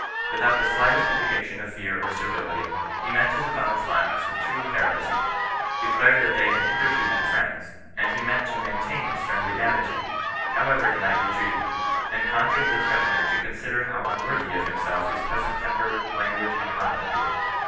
Without the slightest indication of fear or servility, he met his opponent's violence with true hero ism, declared that they had hitherto been friends, and he meant to maintain his friendly attitude, however he might be treated, and conjured the threatener to consider how unworthy of himself his present temper, language, and conduct were.